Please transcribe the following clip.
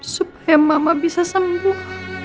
supaya mama bisa sembuh